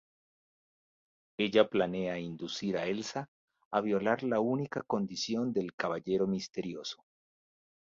Ella planea inducir a Elsa a violar la única condición del caballero misterioso.